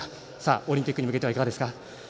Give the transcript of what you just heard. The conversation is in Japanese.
オリンピックに向けてどうですか。